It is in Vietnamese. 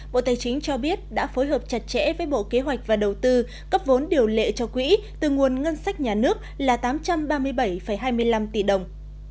bộ tài chính cho biết đã phối hợp chặt chẽ với bộ kế hoạch và đầu tư cấp vốn điều lệ cho quỹ từ nguồn ngân sách nhà nước là tám trăm ba mươi bảy hai mươi năm tỷ đồng